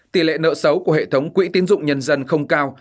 tỷ lệ nợ xấu của hệ thống quỹ tiến dụng nhân dân không cao